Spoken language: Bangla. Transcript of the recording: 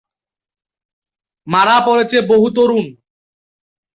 মারা পড়ছে বহু তরুণ।